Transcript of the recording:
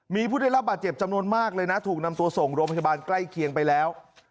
มีผู้ได้รับบาดเจ็บจำนวนมากเลยนะถูกนำตัวส่งโรงพยาบาลใกล้เคียงไปแล้ว